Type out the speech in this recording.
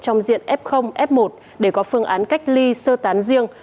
trong diện f f một để có phương án cách ly sơ tán riêng